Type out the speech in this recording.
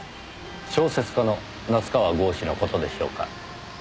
小説家の夏河郷士の事でしょうか？